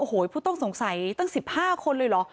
โอ้โหผู้ต้องสงสัยตั้ง๑๕คนเลยเหรอ